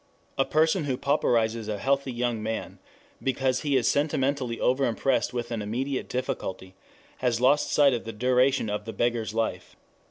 A person who pauperizes a healthy young man because he is sentimentally overimpressed with an immediate difficulty has lost sight of the duration of the beggar's life.